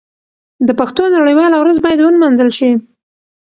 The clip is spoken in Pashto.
د پښتو نړیواله ورځ باید ونمانځل شي.